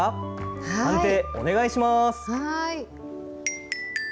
判定お願いします。